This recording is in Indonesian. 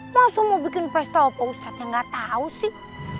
masuk mau bikin pesta opa ustad yang gak tau sih